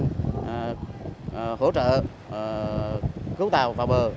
giúp trợ cứu tàu vào bờ